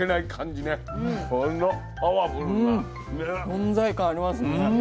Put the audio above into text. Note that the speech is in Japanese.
存在感ありますね。